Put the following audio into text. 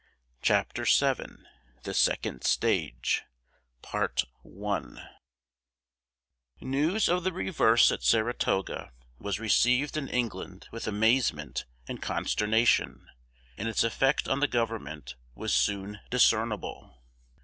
CHAPTER VII THE SECOND STAGE News of the reverse at Saratoga was received in England with amazement and consternation, and its effect on the government was soon discernible.